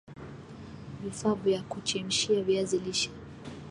vifaa vya kuchemshia viazi lishe